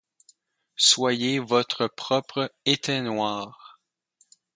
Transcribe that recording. Soyez votre propre éteignoir.